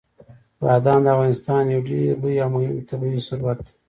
بادام د افغانستان یو ډېر لوی او مهم طبعي ثروت دی.